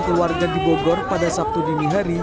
keluarga di bogor pada sabtu dini hari